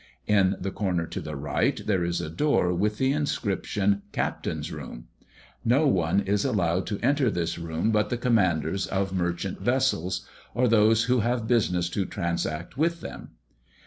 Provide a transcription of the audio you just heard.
In the corner to the right there is a door with the inscription, "Captains' Room." No one is allowed to enter this room but the commanders of merchant vessels, or those who have business to transact with them.